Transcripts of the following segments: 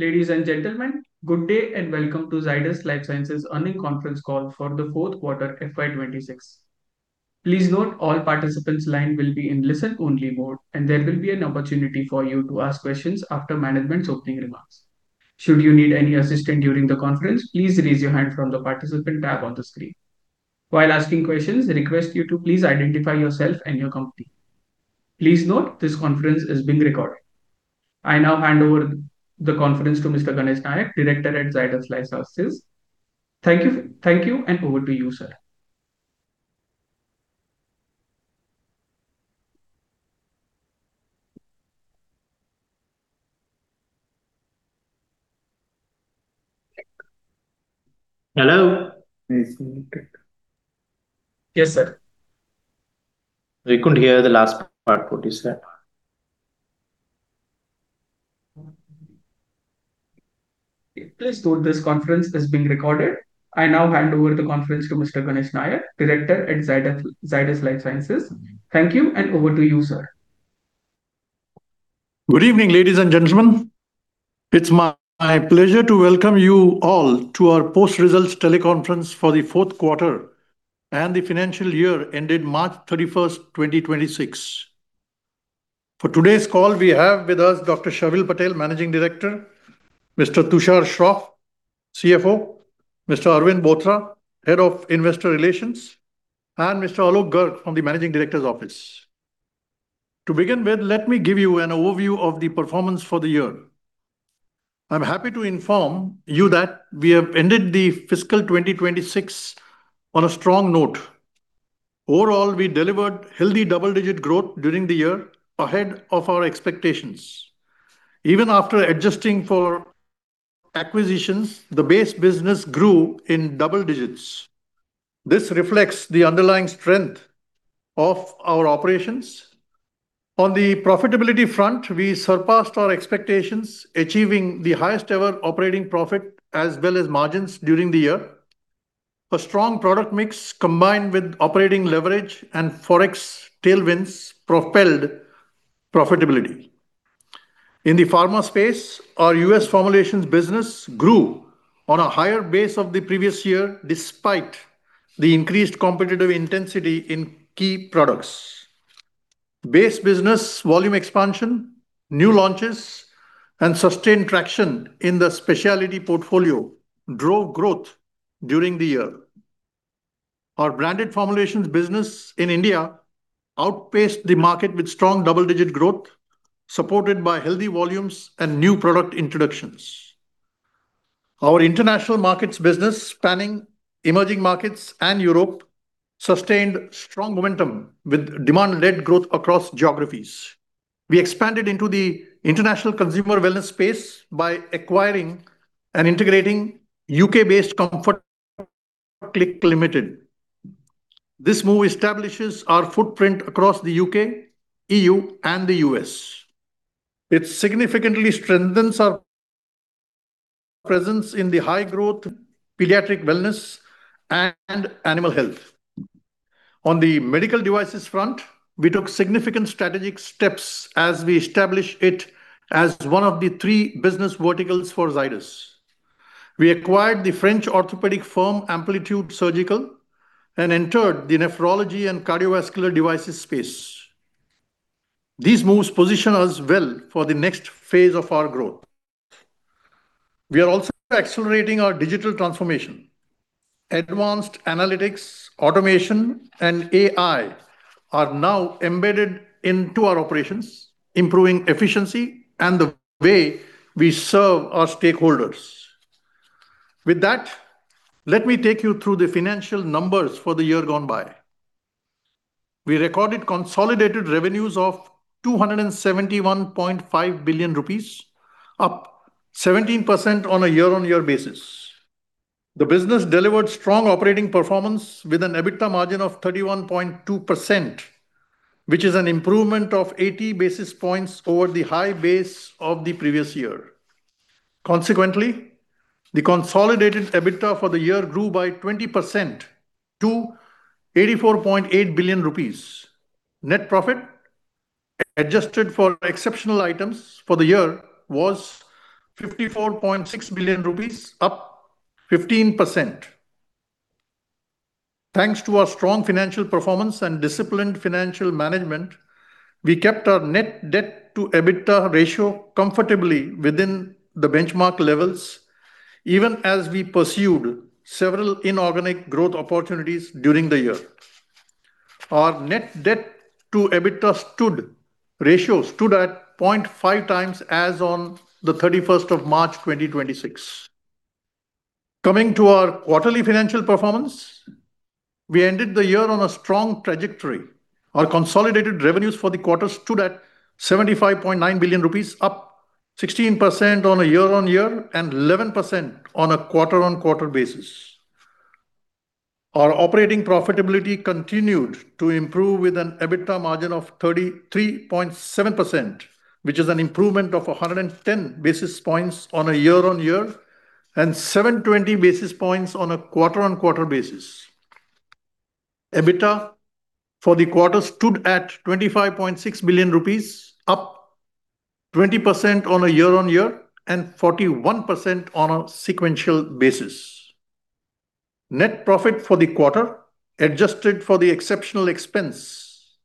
Ladies and gentlemen, good day and welcome to Zydus Lifesciences earnings conference call for the fourth quarter FY 2026. I now hand over the conference to Mr. Ganesh Nayak, Director at Zydus Lifesciences. Thank you, and over to you, sir. Hello. Yes, sir. We couldn't hear the last part. Could you say it? Please note this conference is being recorded. I now hand over the conference to Mr. Ganesh Nayak, Director at Zydus Lifesciences. Thank you, and over to you, sir. Good evening, ladies and gentlemen. It's my pleasure to welcome you all to our post-results teleconference for the fourth quarter and the financial year ended March 31, 2026. For today's call, we have with us Dr. Sharvil Patel, Managing Director, Mr. Tushar Shroff, CFO, Mr. Arvind Bothra, Head of Investor Relations, and Mr. Alok Garg from the Managing Director's office. To begin with, let me give you an overview of the performance for the year. I'm happy to inform you that we have ended the fiscal 2026 on a strong note. Overall, we delivered healthy double-digit growth during the year ahead of our expectations. Even after adjusting for acquisitions, the base business grew in double digits. This reflects the underlying strength of our operations. On the profitability front, we surpassed our expectations, achieving the highest ever operating profit as well as margins during the year. A strong product mix combined with operating leverage and Forex tailwinds propelled profitability. In the pharma space, our U.S. formulations business grew on a higher base of the previous year despite the increased competitive intensity in key products. Base business volume expansion, new launches, and sustained traction in the specialty portfolio drove growth during the year. Our branded formulations business in India outpaced the market with strong double-digit growth, supported by healthy volumes and new product introductions. Our international markets business spanning emerging markets and Europe sustained strong momentum with demand-led growth across geographies. We expanded into the international consumer wellness space by acquiring and integrating U.K.-based Comfort Click Limited. This move establishes our footprint across the U.K., E.U., and the U.S. It significantly strengthens our presence in the high-growth pediatric wellness and animal health. On the medical devices front, we took significant strategic steps as we establish it as one of the three business verticals for Zydus. We acquired the French orthopedic firm Amplitude Surgical and entered the nephrology and cardiovascular devices space. These moves position us well for the next phase of our growth. We are also accelerating our digital transformation. Advanced analytics, automation, and AI are now embedded into our operations, improving efficiency and the way we serve our stakeholders. With that, let me take you through the financial numbers for the year gone by. We recorded consolidated revenues of 271.5 billion rupees, up 17% on a year-on-year basis. The business delivered strong operating performance with an EBITDA margin of 31.2%, which is an improvement of 80 basis points over the high base of the previous year. Consequently, the consolidated EBITDA for the year grew by 20% to 84.8 billion rupees. Net profit adjusted for exceptional items for the year was 54.6 billion rupees, up 15%. Thanks to our strong financial performance and disciplined financial management, we kept our net debt to EBITDA ratio comfortably within the benchmark levels, even as we pursued several inorganic growth opportunities during the year. Our net debt to EBITDA ratio stood at 0.5x as on the 31st of March 2026. Coming to our quarterly financial performance, we ended the year on a strong trajectory. Our consolidated revenues for the quarter stood at 75.9 billion rupees, up 16% on a year-on-year and 11% on a quarter-on-quarter basis. Our operating profitability continued to improve with an EBITDA margin of 33.7%, which is an improvement of 110 basis points on a year-on-year and 720 basis points on a quarter-on-quarter basis. EBITA for the quarter stood at 25.6 billion rupees, up 20% on a year-on-year and 41% on a sequential basis. Net profit for the quarter, adjusted for the exceptional expense,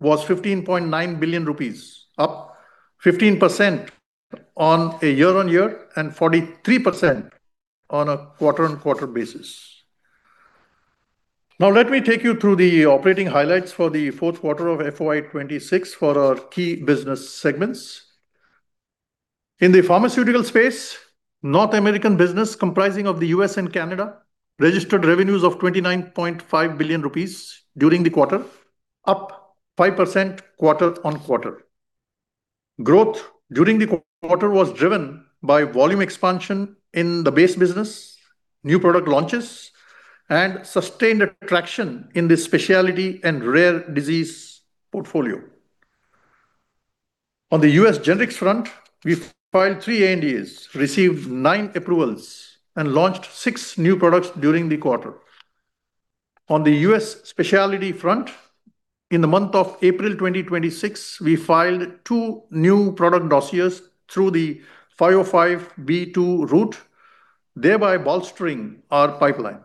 was 15.9 billion rupees, up 15% on a year-on-year and 43% on a quarter-on-quarter basis. Let me take you through the operating highlights for the fourth quarter of FY 2026 for our key business segments. In the pharmaceutical space, North American business comprising of the U.S. and Canada registered revenues of 29.5 billion rupees during the quarter, up 5% quarter-on-quarter. Growth during the quarter was driven by volume expansion in the base business, new product launches, and sustained traction in the specialty and rare disease portfolio. On the U.S. generics front, we filed three ANDAs, received nine approvals, and launched six new products during the quarter. On the U.S. specialty front, in the month of April 2026, we filed two new product dossiers through the 505(b)(2) route, thereby bolstering our pipeline.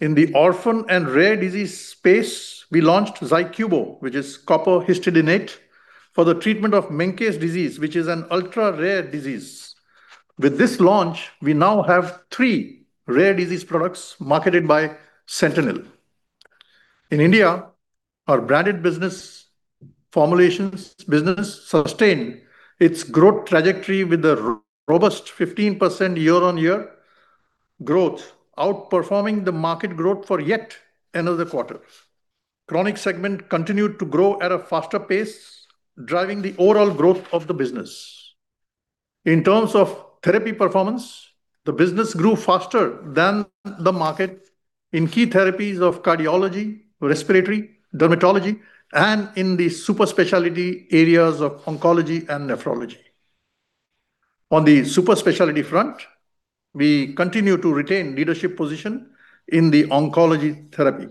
In the orphan and rare disease space, we launched ZYCUBO, which is copper histidinate, for the treatment of Menkes disease, which is an ultra-rare disease. With this launch, we now have three rare disease products marketed by Sentynl. In India, our branded business formulations business sustained its growth trajectory with a robust 15% year-on-year growth, outperforming the market growth for yet another quarter. Chronic segment continued to grow at a faster pace, driving the overall growth of the business. In terms of therapy performance, the business grew faster than the market in key therapies of cardiology, respiratory, dermatology, and in the super specialty areas of oncology and nephrology. On the super specialty front, we continue to retain leadership position in the oncology therapy.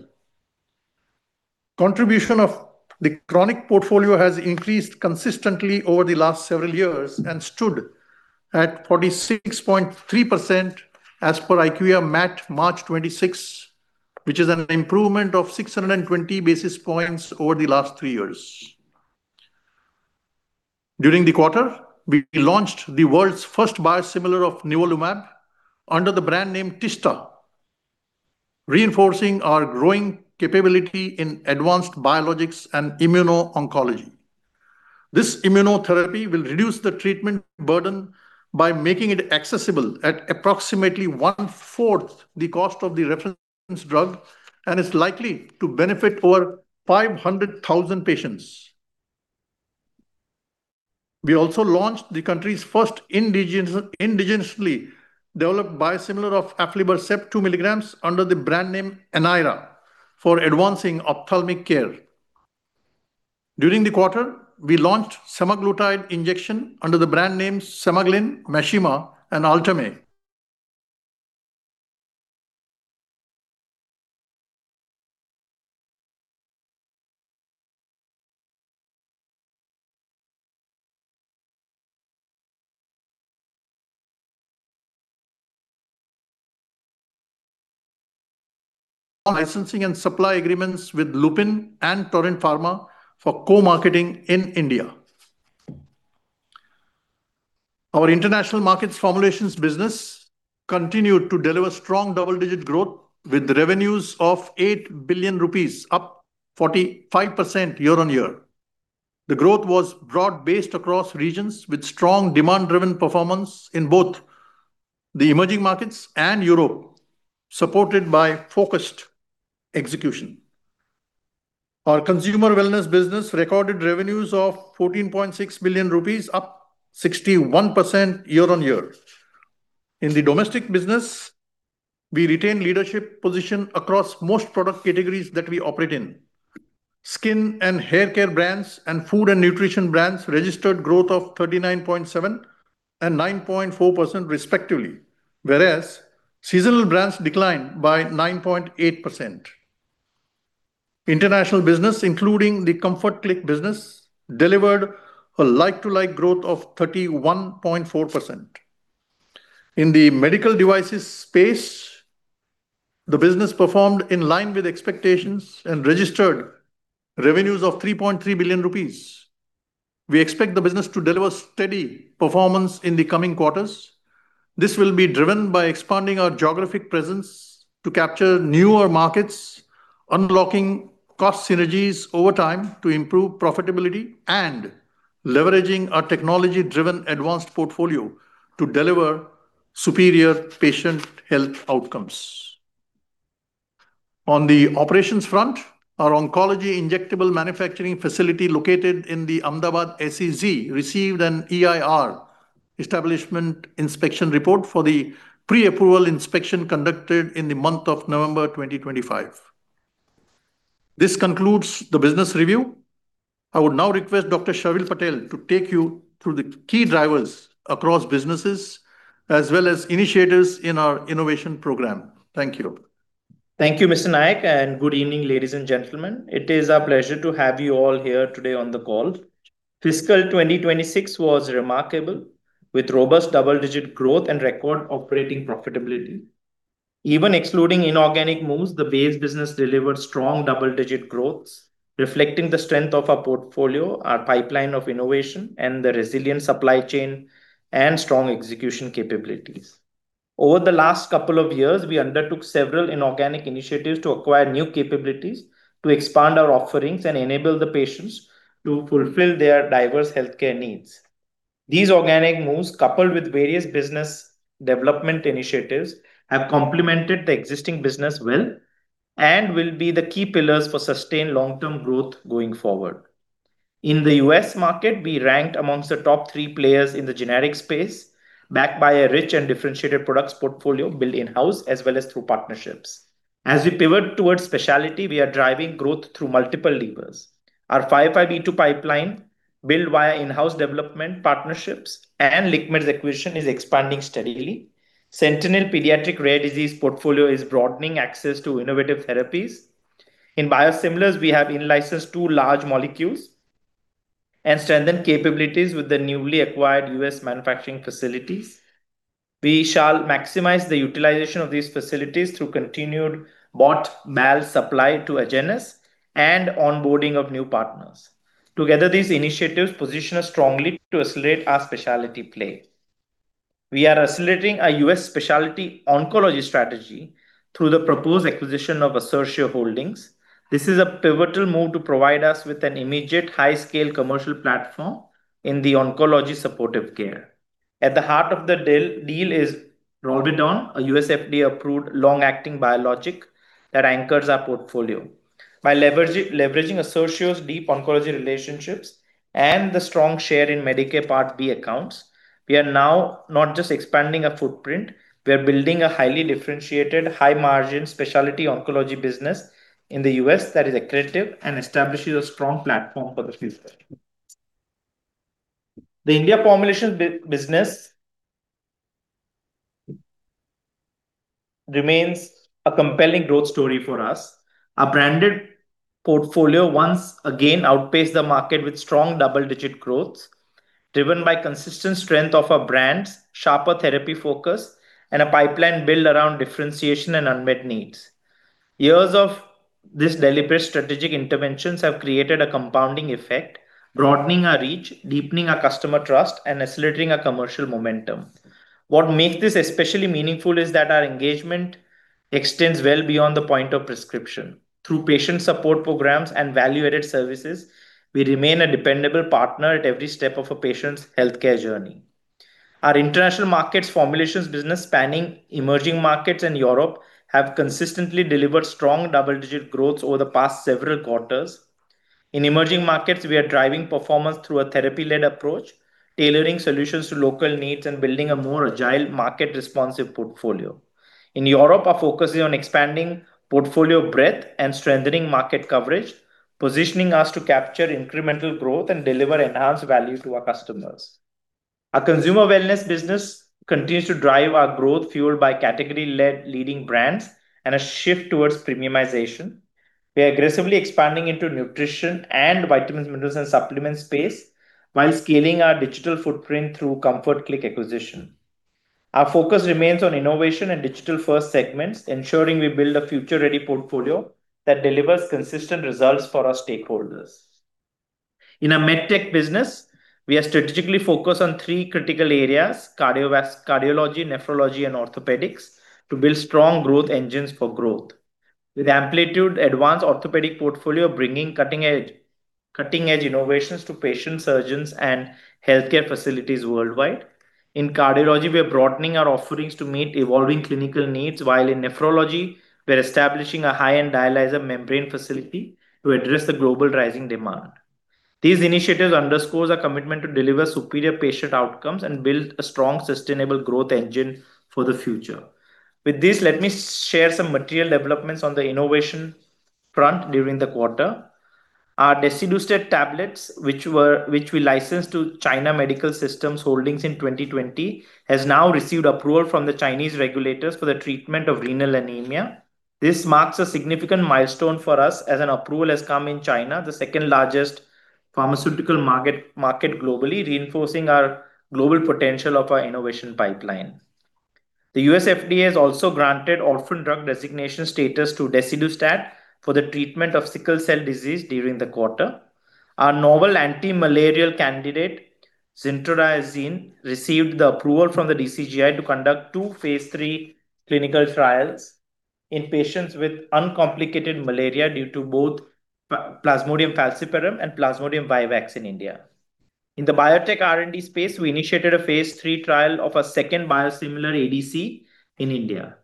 Contribution of the chronic portfolio has increased consistently over the last several years and stood at 46.3% as per IQVIA MAT March 2026, which is an improvement of 620 basis points over the last three years. During the quarter, we launched the world's first biosimilar of nivolumab under the brand name Tishtha, reinforcing our growing capability in advanced biologics and immuno-oncology. This immunotherapy will reduce the treatment burden by making it accessible at approximately 1/4 the cost of the reference drug, and is likely to benefit over 500,000 patients. We also launched the country's first indigenously developed biosimilar of aflibercept 2 mg under the brand name ANYRA for advancing ophthalmic care. During the quarter, we launched semaglutide injection under the brand name SEMAGLYN, MASHEMA and ALTERME. Licensing and supply agreements with Lupin and Torrent Pharma for co-marketing in India. Our international markets formulations business continued to deliver strong double-digit growth with revenues of 8 billion rupees, up 45% year-on-year. The growth was broad-based across regions with strong demand-driven performance in both the emerging markets and Europe, supported by focused execution. Our consumer wellness business recorded revenues of 14.6 billion rupees, up 61% year-on-year. In the domestic business, we retained leadership position across most product categories that we operate in. Skin and hair care brands and food and nutrition brands registered growth of 39.7% and 9.4% respectively, whereas seasonal brands declined by 9.8%. International business, including the Comfort Click, delivered a like-to-like growth of 31.4%. In the medical devices space, the business performed in line with expectations and registered revenues of 3.3 billion rupees. We expect the business to deliver steady performance in the coming quarters. This will be driven by expanding our geographic presence to capture newer markets, unlocking cost synergies over time to improve profitability, and leveraging our technology-driven advanced portfolio to deliver superior patient health outcomes. On the operations front, our oncology injectable manufacturing facility located in the Ahmedabad SEZ received an EIR, Establishment Inspection Report, for the pre-approval inspection conducted in the month of November 2025. This concludes the business review. I would now request Dr. Sharvil Patel to take you through the key drivers across businesses as well as initiatives in our innovation program. Thank you. Thank you, Mr. Nayak. Good evening, ladies and gentlemen. It is our pleasure to have you all here today on the call. Fiscal 2026 was remarkable, with robust double-digit growth and record operating profitability. Even excluding inorganic moves, the base business delivered strong double-digit growth, reflecting the strength of our portfolio, our pipeline of innovation, and the resilient supply chain and strong execution capabilities. Over the last couple of years, we undertook several inorganic initiatives to acquire new capabilities to expand our offerings and enable the patients to fulfill their diverse healthcare needs. These organic moves, coupled with various business development initiatives, have complemented the existing business well and will be the key pillars for sustained long-term growth going forward. In the U.S. market, we ranked amongst the top three players in the generic space, backed by a rich and differentiated products portfolio built in-house as well as through partnerships. As we pivot towards specialty, we are driving growth through multiple levers. Our 505(b)(2) pipeline, built via in-house development partnerships and LiqMeds' acquisition, is expanding steadily. Sentynl pediatric rare disease portfolio is broadening access to innovative therapies. In biosimilars, we have in-licensed two large molecules and strengthened capabilities with the newly acquired U.S. manufacturing facilities. We shall maximize the utilization of these facilities through continued BOT/BAL supply to Agenus and onboarding of new partners. Together, these initiatives position us strongly to accelerate our specialty play. We are accelerating our U.S. specialty oncology strategy through the proposed acquisition of Assertio Holdings. This is a pivotal move to provide us with an immediate high-scale commercial platform in the oncology supportive care. At the heart of the deal is ROLVEDON, a U.S. FDA-approved long-acting biologic that anchors our portfolio. By leveraging Assertio's deep oncology relationships and the strong share in Medicare Part B accounts, we are now not just expanding our footprint, we are building a highly differentiated, high-margin specialty oncology business in the U.S. that is accretive and establishes a strong platform for the future. The India formulation business remains a compelling growth story for us. Our branded portfolio once again outpaced the market with strong double-digit growth, driven by consistent strength of our brands, sharper therapy focus, and a pipeline built around differentiation and unmet needs. Years of these deliberate strategic interventions have created a compounding effect, broadening our reach, deepening our customer trust, and accelerating our commercial momentum. What makes this especially meaningful is that our engagement extends well beyond the point of prescription. Through patient support programs and value-added services, we remain a dependable partner at every step of a patient's healthcare journey. Our international markets formulations business spanning emerging markets and Europe have consistently delivered strong double-digit growth over the past several quarters. In emerging markets, we are driving performance through a therapy-led approach, tailoring solutions to local needs and building a more agile, market-responsive portfolio. In Europe, our focus is on expanding portfolio breadth and strengthening market coverage, positioning us to capture incremental growth and deliver enhanced value to our customers. Our consumer wellness business continues to drive our growth, fueled by category-led leading brands and a shift towards premiumization. We are aggressively expanding into nutrition and vitamins, minerals, and supplements space while scaling our digital footprint through Comfort Click acquisition. Our focus remains on innovation and digital-first segments, ensuring we build a future-ready portfolio that delivers consistent results for our stakeholders. In our MedTech business, we are strategically focused on three critical areas, cardiology, nephrology, and orthopedics, to build strong growth engines for growth. With Amplitude advanced orthopedic portfolio bringing cutting-edge innovations to patients, surgeons, and healthcare facilities worldwide. In cardiology, we are broadening our offerings to meet evolving clinical needs, while in nephrology, we are establishing a high-end dialyzer membrane facility to address the global rising demand. These initiatives underscores our commitment to deliver superior patient outcomes and build a strong, sustainable growth engine for the future. With this, let me share some material developments on the innovation front during the quarter. Our desidustat tablets, which we licensed to China Medical System Holdings in 2020, has now received approval from the Chinese regulators for the treatment of renal anemia. This marks a significant milestone for us as an approval has come in China, the second-largest pharmaceutical market globally, reinforcing our global potential of our innovation pipeline. The U.S. FDA has also granted orphan drug designation status to desidustat for the treatment of sickle cell disease during the quarter. Our novel anti-malarial candidate, zintrodiazine, received the approval from the DCGI to conduct two phase III clinical trials in patients with uncomplicated malaria due to both Plasmodium falciparum and Plasmodium vivax in India. In the biotech R&D space, we initiated a phase III trial of a second biosimilar ADC in India.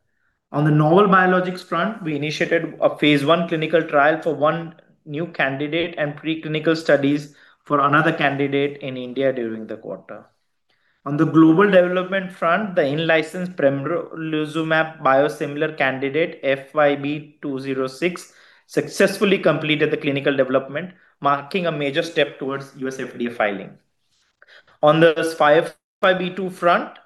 On the novel biologics front, we initiated a phase I clinical trial for one new candidate and pre-clinical studies for another candidate in India during the quarter. On the global development front, the in-licensed pembrolizumab biosimilar candidate, FYB206, successfully completed the clinical development, marking a major step towards U.S. FDA filing. On the 505(b)(2) front,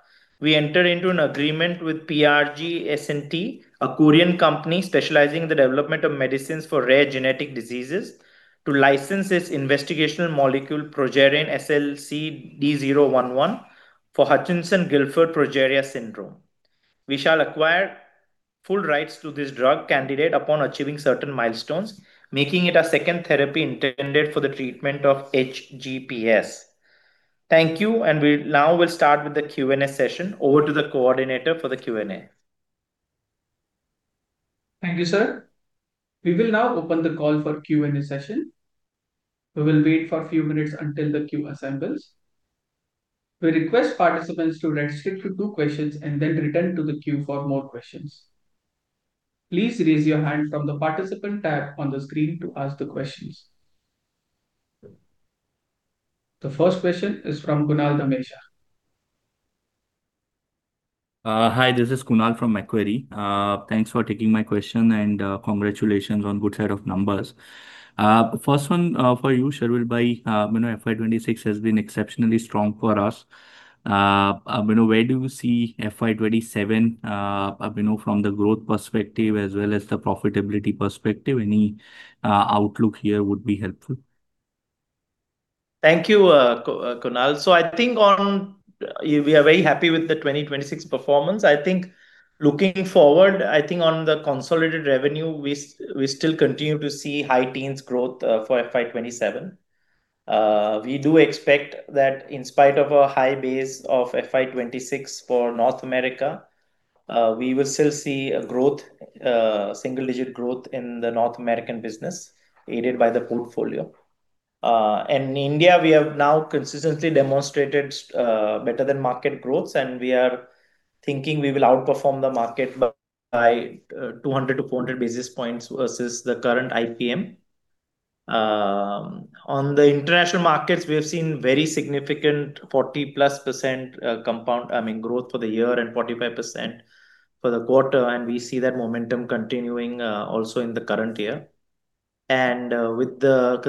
we entered into an agreement with PRG S&T, a Korean company specializing in the development of medicines for rare genetic diseases, to license its investigational molecule progerinin SLC-D011 for Hutchinson-Gilford progeria syndrome. We shall acquire full rights to this drug candidate upon achieving certain milestones, making it our second therapy intended for the treatment of HGPS. Thank you, and we now will start with the Q&A session. Over to the coordinator for the Q&A. Thank you, sir. We will now open the call for Q&A session. We will wait for a few minutes until the queue assembles. We request participants to restrict to two questions and then return to the queue for more questions. Please raise your hand from the participant tab on the screen to ask the questions. The first question is from Kunal Dhamesha. Hi, this is Kunal from Macquarie. Thanks for taking my question and congratulations on good set of numbers. First one for you, Sharvil. You know, FY 2026 has been exceptionally strong for us. You know, where do you see FY 2027, you know, from the growth perspective as well as the profitability perspective? Any outlook here would be helpful. Thank you, Kunal. I think on We are very happy with the 2026 performance. I think looking forward, I think on the consolidated revenue, we still continue to see high teens growth for FY 2027. We do expect that in spite of a high base of FY 2026 for North America, we will still see a growth, single-digit growth in the North American business aided by the portfolio. India, we have now consistently demonstrated better than market growth, and we are thinking we will outperform the market by 200-400 basis points versus the current IPM. On the international markets, we have seen very significant 40+% compound, I mean, growth for the year and 45% for the quarter, and we see that momentum continuing also in the current year. On the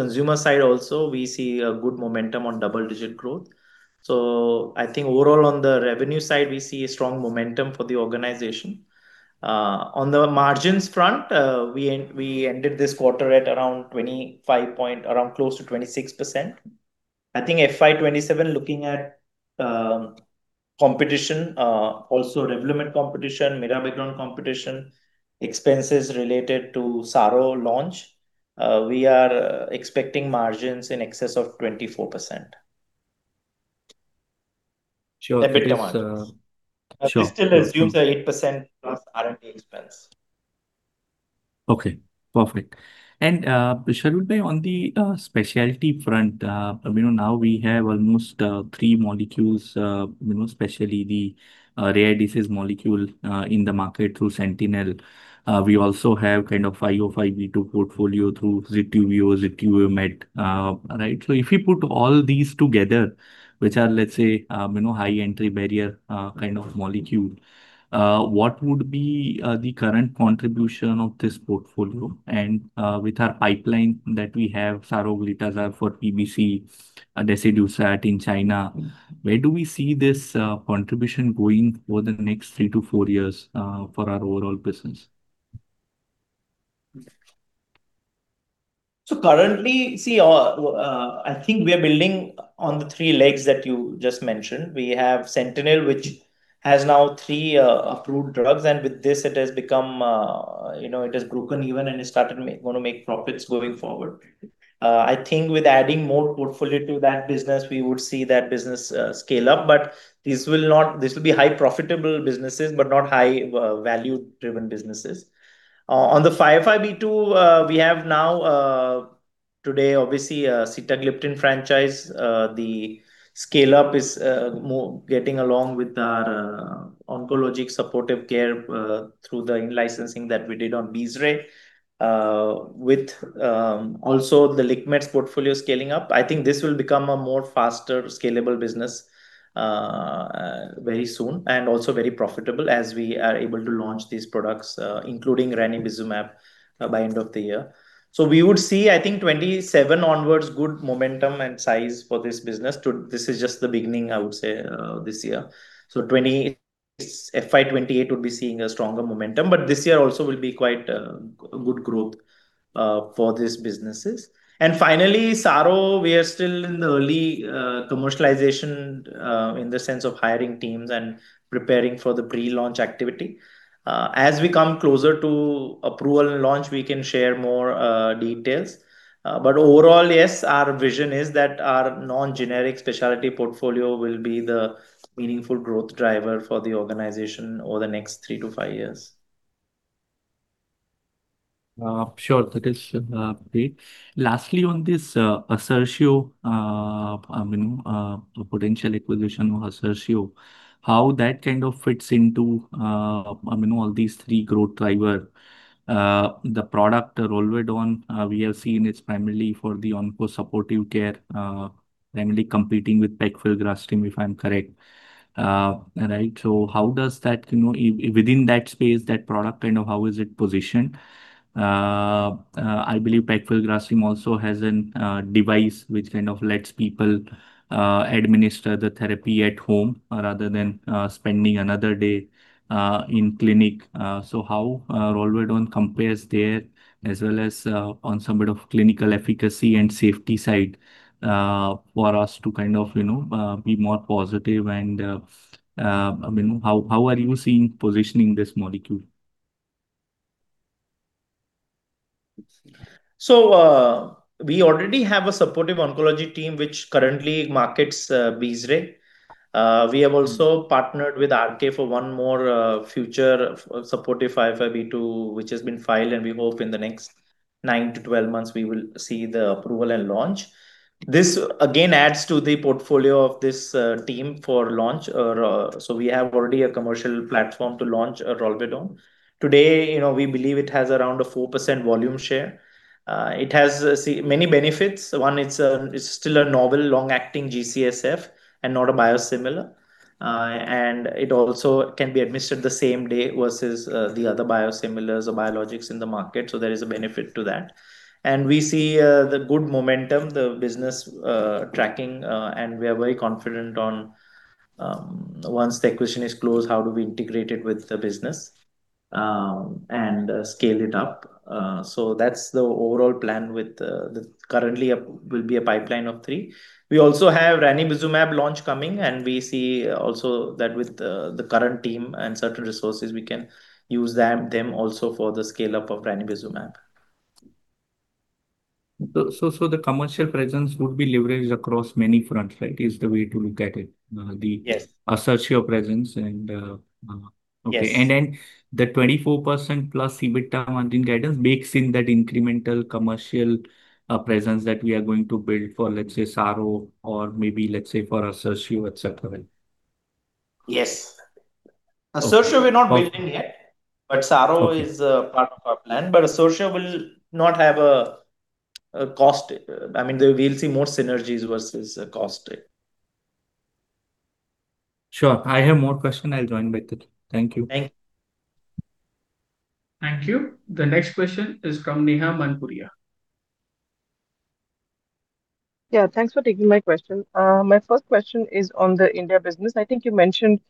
consumer side also, we see a good momentum on double-digit growth. Overall on the revenue side, we see a strong momentum for the organization. On the margins front, we ended this quarter at around 25 point, around close to 26%. I think FY 2027, looking at competition, also REVLIMID competition, mirabegron competition, expenses related to Saro launch, we are expecting margins in excess of 24%. Sure. EBITDA margins. Sure. This still assumes an 8%+ R&D expense. Okay. Perfect. Sharvil, on the specialty front, you know, now we have almost three molecules, you know, especially the rare disease molecule in the market through Sentynl. We also have kind of 505(b)(2) portfolio through ZYCUBO, right? If you put all these together, which are, let's say, you know, high entry barrier kind of molecule, what would be the current contribution of this portfolio? With our pipeline that we have, saroglitazar for PBC, desidustat in China, where do we see this contribution going over the next three to four years for our overall business? Currently, see, I think we are building on the three legs that you just mentioned. We have Sentynl, which has now three approved drugs. With this, it has become, you know, it has broken even and it started gonna make profits going forward. I think with adding more portfolio to that business, we would see that business scale up. This will be high profitable businesses, but not high value-driven businesses. On the 505(b)(2), we have now today obviously sitagliptin franchise. The scale up is more getting along with our oncologic supportive care through the in-licensing that we did on Besre. With, also the LiqMeds portfolio scaling up, I think this will become a more faster scalable business very soon, and also very profitable as we are able to launch these products, including ranibizumab, by end of the year. We would see, I think, 2027 onwards, good momentum and size for this business. This is just the beginning, I would say, this year. FY 2028 would be seeing a stronger momentum, but this year also will be quite good growth for these businesses. Finally, Saro, we are still in the early commercialization, in the sense of hiring teams and preparing for the pre-launch activity. As we come closer to approval and launch, we can share more details. Overall, yes, our vision is that our non-generic specialty portfolio will be the meaningful growth driver for the organization over the next three to five years. Sure. That is great. Lastly, on this Assertio, you know, potential acquisition of Assertio, how that kind of fits into, you know, all these three growth driver. The product ROLVEDON, we have seen it's primarily for the onco supportive care, primarily competing with pegfilgrastim, if I'm correct. Right, how does that, you know, within that space, that product, kind of how is it positioned? I believe pegfilgrastim also has an device which kind of lets people administer the therapy at home rather than spending another day in clinic. How ROLVEDON compares there as well as on some bit of clinical efficacy and safety side, for us to kind of, you know, be more positive and, I mean, how are you seeing positioning this molecule? We already have a supportive oncology team which currently markets Besre. We have also partnered with RK for one more future supportive 505(b)(2), which has been filed, and we hope in the next 9-12 months we will see the approval and launch. This again adds to the portfolio of this team for launch. We have already a commercial platform to launch ROLVEDON. Today, you know, we believe it has around a 4% volume share. It has many benefits. One, it's still a novel long-acting GCSF and not a biosimilar. It also can be administered the same day versus the other biosimilars or biologics in the market, so there is a benefit to that. We see the good momentum, the business tracking, and we are very confident on once the acquisition is closed, how do we integrate it with the business, and scale it up. That's the overall plan with the Currently will be a pipeline of three. We also have ranibizumab launch coming, and we see also that with the current team and certain resources we can use them also for the scale-up of ranibizumab. The commercial presence would be leveraged across many fronts, right? Is the way to look at it. Yes Assertio presence and. Yes okay. The 24%+ EBITDA margin guidance bakes in that incremental commercial presence that we are going to build for, let's say, Saro or maybe let's say for Assertio, et cetera, right? Yes. Okay. Assertio we're not building yet. Okay Saro is part of our plan. Assertio will not have a cost. I mean, we'll see more synergies versus cost. Sure. I have more question. I'll join with it. Thank you. Thank- Thank you. The next question is from Neha Manpuria. Yeah, thanks for taking my question. My first question is on the India business. I think you mentioned,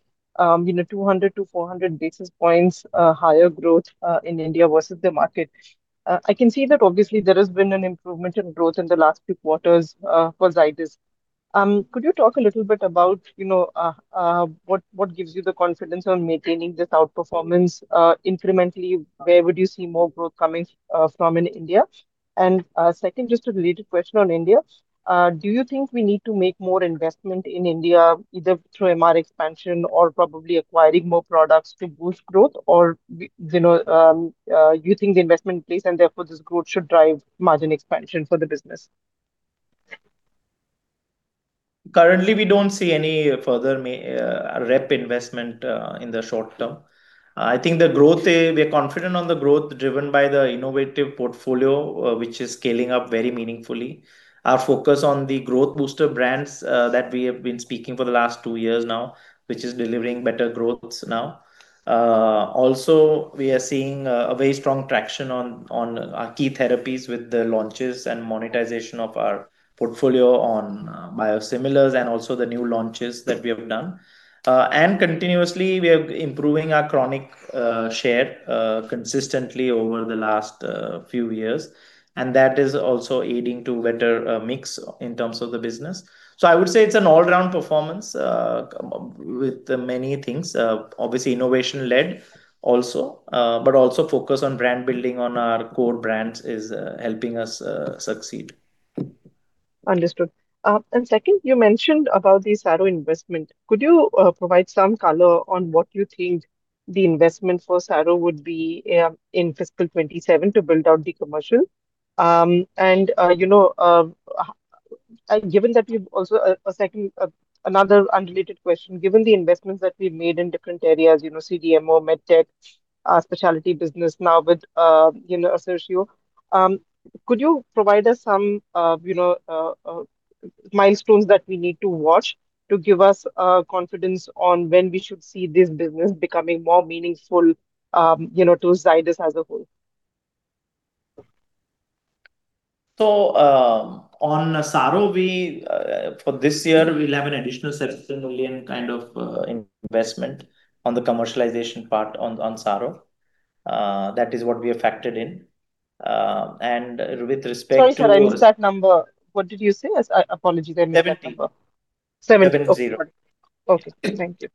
you know, 200 to 400 basis points higher growth in India versus the market. I can see that obviously there has been an improvement in growth in the last few quarters for Zydus. Could you talk a little bit about, you know, what gives you the confidence on maintaining this outperformance? Incrementally, where would you see more growth coming from in India? Second, just a related question on India. Do you think we need to make more investment in India, either through MR expansion or probably acquiring more products to boost growth? You know, you think the investment in place and therefore this growth should drive margin expansion for the business? Currently, we don't see any further rep investment in the short term. I think the growth, we are confident on the growth driven by the innovative portfolio, which is scaling up very meaningfully. Our focus on the growth booster brands that we have been speaking for the last two years now, which is delivering better growths now. Also we are seeing a very strong traction on our key therapies with the launches and monetization of our portfolio on biosimilars and also the new launches that we have done. Continuously we are improving our chronic share consistently over the last few years, and that is also aiding to better mix in terms of the business. I would say it's an all-around performance with the many things. obviously innovation-led also, but also focus on brand building on our core brands is helping us succeed. Understood. Second, you mentioned about the Saro investment. Could you provide some color on what you think the investment for Saro would be in FY 2027 to build out the commercial? You know, given that we've also a second, another unrelated question. Given the investments that we've made in different areas, you know, CDMO, MedTech, specialty business now with, you know, Assertio, could you provide us some, you know, milestones that we need to watch to give us confidence on when we should see this business becoming more meaningful, you know, to Zydus as a whole? On Saro, we, for this year, we'll have an additional 70 million kind of investment on the commercialization part on Saro. That is what we have factored in. Sorry, sir, I missed that number. What did you say? Apologies, I missed that number. 70 million 70 million. seven-zero. Okay. Thank you.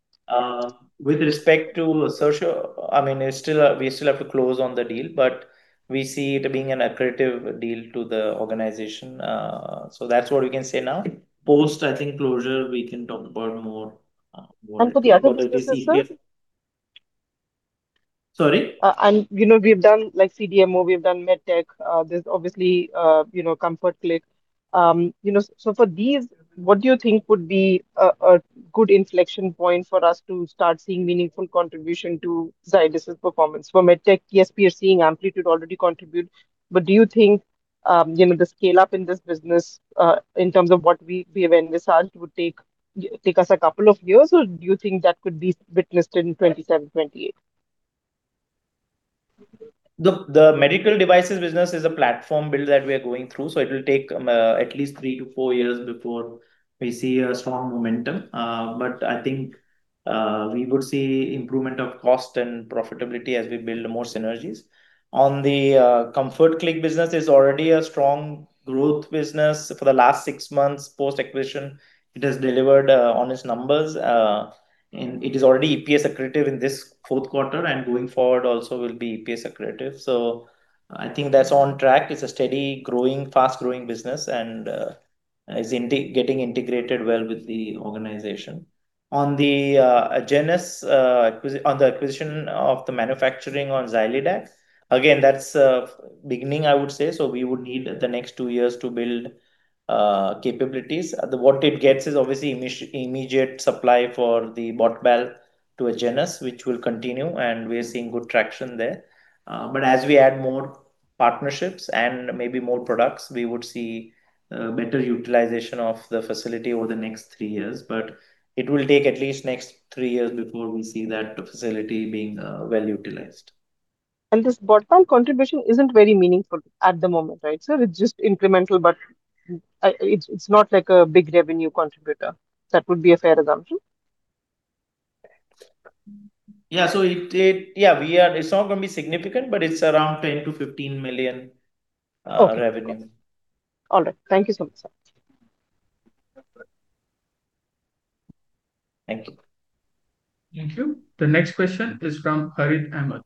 With respect to Assertio, I mean, it's still a we still have to close on the deal, but we see it being an accretive deal to the organization. That's what we can say now. Post, I think, closure, we can talk about more. For the other businesses, sir? Sorry? You know, we've done like CDMO, we've done MedTech. There's obviously, you know, Comfort Click. You know, so for these, what do you think would be a good inflection point for us to start seeing meaningful contribution to Zydus's performance? For MedTech, yes, we are seeing Amplitude already contribute. Do you think? You know, the scale-up in this business, in terms of what we have envisioned would take us a couple of years, or do you think that could be witnessed in 2027, 2028? The medical devices business is a platform build that we are going through, so it'll take at least three to four years before we see a strong momentum. I think we would see improvement of cost and profitability as we build more synergies. On the Comfort Click business is already a strong growth business. For the last six months post-acquisition it has delivered on its numbers. It is already EPS accretive in this fourth quarter, and going forward also will be EPS accretive. I think that's on track. It's a steady growing, fast-growing business and is getting integrated well with the organization. On the Agenus acquisition of the manufacturing on Zylidac, again, that's beginning, I would say, we would need the next two years to build capabilities. The What it gets is obviously immediate supply for the BOT/BAL to Agenus, which will continue, and we are seeing good traction there. But as we add more partnerships and maybe more products, we would see better utilization of the facility over the next three years. But it will take at least next three years before we see that facility being well utilized. This balstilimab contribution isn't very meaningful at the moment, right, sir? It's just incremental, but it's not like a big revenue contributor. That would be a fair assumption? It's not gonna be significant, but it's around $10 million-$15 million revenue. Okay. All right. Thank you so much, sir. Thank you. Thank you. The next question is from Harith Ahamed.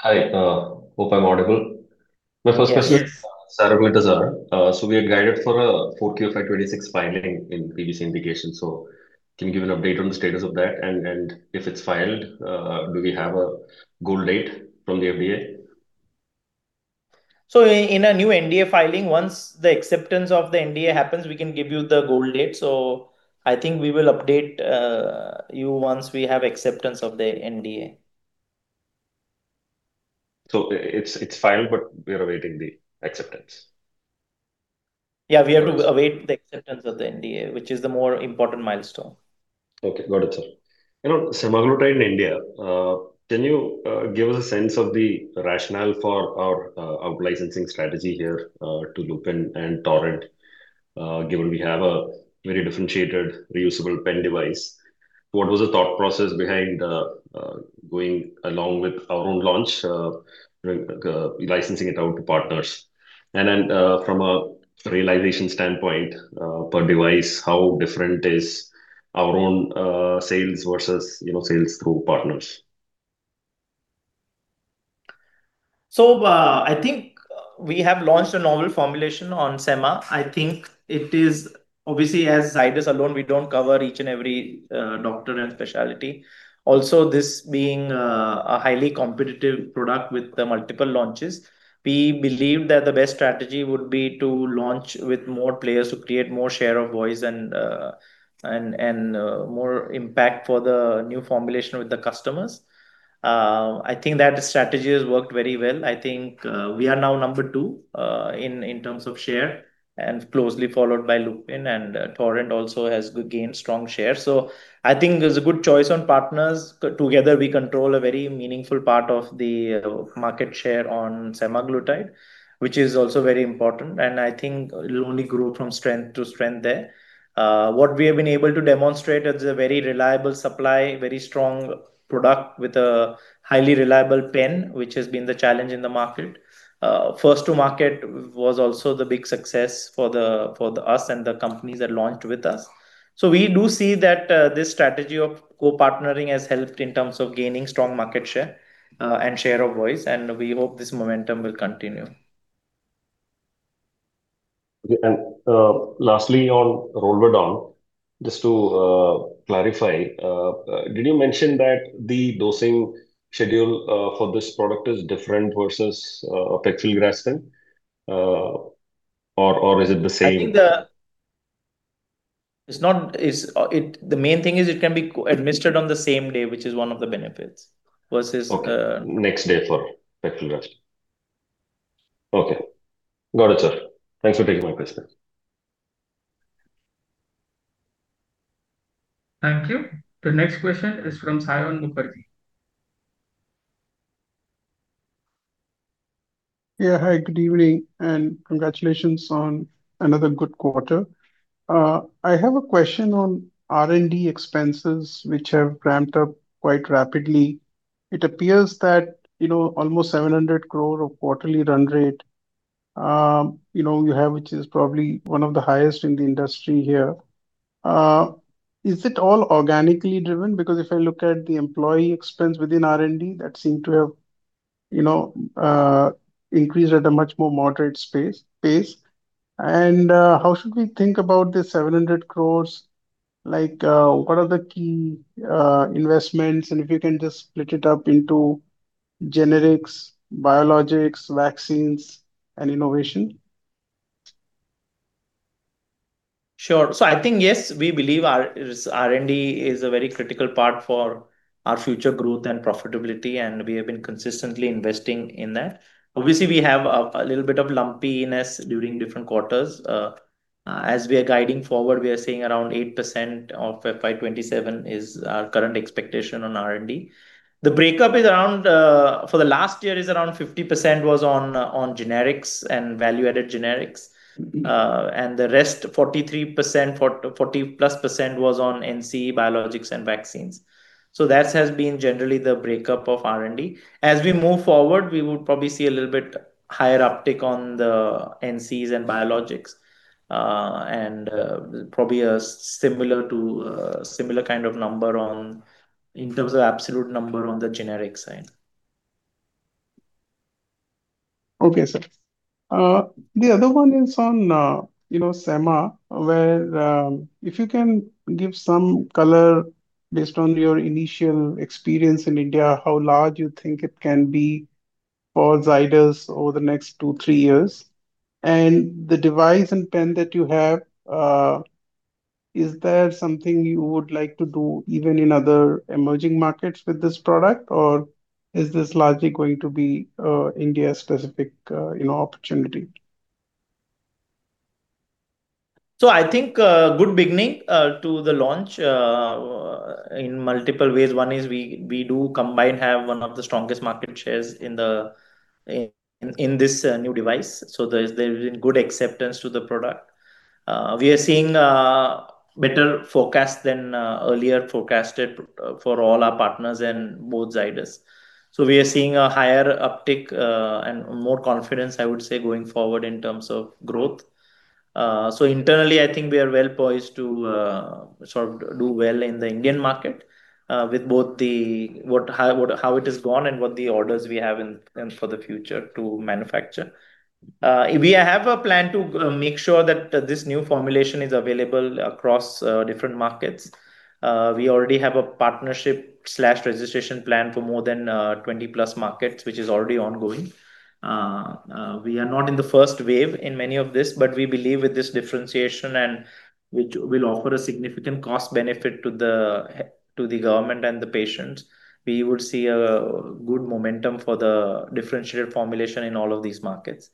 Hi. Hope I'm audible. Yes. My first question is on semaglutide, sir. We are guided for a 4Q 2026 filing in previous indication. Can you give an update on the status of that? If it's filed, do we have a goal date from the FDA? In a new NDA filing, once the acceptance of the NDA happens, we can give you the goal date. I think we will update you once we have acceptance of the NDA. It's filed, but we are awaiting the acceptance? Yeah. That's- await the acceptance of the NDA, which is the more important milestone. Okay. Got it, sir. You know, semaglutide in India, can you give us a sense of the rationale for our out-licensing strategy here to Lupin and Torrent, given we have a very differentiated reusable pen device? What was the thought process behind going along with our own launch, licensing it out to partners? From a realization standpoint, per device, how different is our own sales versus, you know, sales through partners? I think we have launched a novel formulation on sema. I think it is obviously, as Zydus alone, we don't cover each and every doctor and specialty. Also, this being a highly competitive product with the multiple launches, we believe that the best strategy would be to launch with more players to create more share of voice and more impact for the new formulation with the customers. I think that strategy has worked very well. I think we are now number two in terms of share, and closely followed by Lupin, and Torrent also has gained strong share. I think it was a good choice on partners. Together we control a very meaningful part of the market share on semaglutide, which is also very important, and I think it'll only grow from strength to strength there. What we have been able to demonstrate is a very reliable supply, very strong product with a highly reliable pen, which has been the challenge in the market. First to market was also the big success for the U.S. and the companies that launched with us. We do see that this strategy of co-partnering has helped in terms of gaining strong market share and share of voice, and we hope this momentum will continue. Okay. lastly on ROLVEDON, just to clarify, did you mention that the dosing schedule for this product is different versus pegfilgrastim, or is it the same? I think the main thing is it can be co-administered on the same day, which is one of the benefits versus. Okay. Next day for pegfilgrastim. Okay. Got it, sir. Thanks for taking my question. Thank you. The next question is from Saion Mukherjee. Hi, good evening, and congratulations on another good quarter. I have a question on R&D expenses, which have ramped up quite rapidly. It appears that, you know, almost 700 crore of quarterly run rate, you know, you have, which is probably one of the highest in the industry here. Is it all organically driven? Because if I look at the employee expense within R&D, that seemed to have, you know, increased at a much more moderate pace. How should we think about the 700 crores? Like, what are the key investments? If you can just split it up into generics, biologics, vaccines and innovation. Sure. I think, yes, we believe our R&D is a very critical part for our future growth and profitability, and we have been consistently investing in that. Obviously, we have a little bit of lumpiness during different quarters. As we are guiding forward, we are seeing around 8% of FY 2027 is our current expectation on R&D. The breakup is around for the last year is around 50% was on generics and value-added generics. The rest, 43%, 40+% was on NCE, biologics and vaccines. That has been generally the breakup of R&D. As we move forward, we would probably see a little bit higher uptick on the NCEs and biologics. Probably a similar kind of number on, in terms of absolute number on the generic side. Okay, sir. The other one is on, you know, SEMA, where, if you can give some color based on your initial experience in India, how large you think it can be for Zydus over the next two, three years. The device and pen that you have, is there something you would like to do even in other emerging markets with this product? Or is this largely going to be a India-specific, you know, opportunity? I think a good beginning to the launch in multiple ways. One is we do combined have one of the strongest market shares in this new device, so there's been good acceptance to the product. We are seeing better forecast than earlier forecasted for all our partners and both Zydus. We are seeing a higher uptick and more confidence, I would say, going forward in terms of growth. Internally, I think we are well poised to sort of do well in the Indian market with both the what, how it has gone and what the orders we have in for the future to manufacture. We have a plan to make sure that this new formulation is available across different markets. We already have a partnership/registration plan for more than 20+ markets, which is already ongoing. We are not in the first wave in many of this, but we believe with this differentiation and which will offer a significant cost benefit to the government and the patients. We would see a good momentum for the differentiated formulation in all of these markets.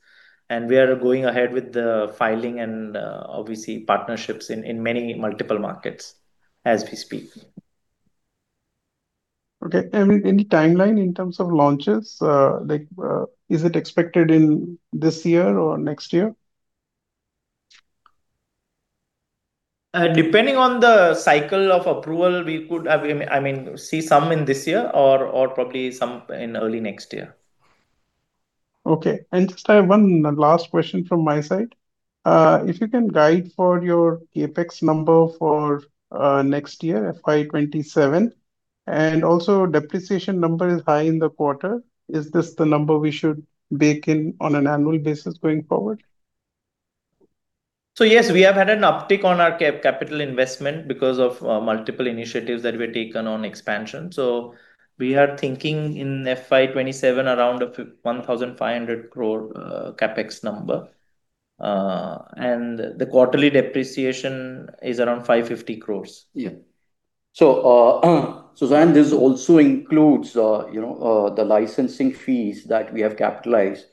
We are going ahead with the filing and obviously partnerships in many multiple markets as we speak. Okay. Any timeline in terms of launches? like, is it expected in this year or next year? Depending on the cycle of approval, we could have, I mean, see some in this year or probably some in early next year. Okay. Just I have one last question from my side. If you can guide for your CapEx number for next year, FY 2027, and also depreciation number is high in the quarter. Is this the number we should bake in on an annual basis going forward? Yes, we have had an uptick on our capital investment because of multiple initiatives that were taken on expansion. We are thinking in FY 2027 around 1,500 crore CapEx number. The quarterly depreciation is around 550 crore. Yeah. Saion, this also includes, you know, the licensing fees that we have capitalized